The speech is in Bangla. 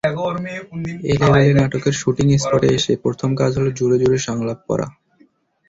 এলেবেলে নাটকের শুটিং স্পটে এসে প্রথম কাজ হলো জোরে জোরে সংলাপ পড়া।